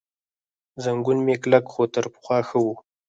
زنګون مې کلک، خو تر پخوا ښه و.